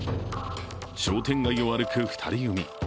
商店街を歩く２人組。